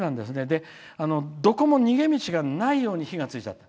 で、どこも逃げ道がないように火がついちゃった。